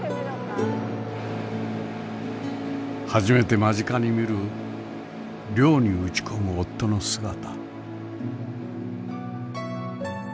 初めて間近に見る漁に打ち込む夫の姿。